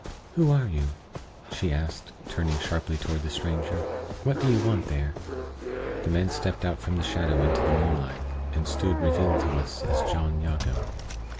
"Who are you?" she asked, turning sharply toward the stranger. "What do you want there?" The man stepped out from the shadow into the moonlight, and stood revealed to us as John Jago.